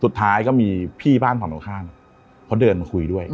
สุดท้ายก็มีพี่บ้านฝั่งตรงข้ามเขาเดินมาคุยด้วย